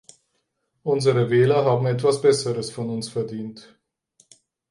Unsere Wähler haben etwas Besseres von uns verdient.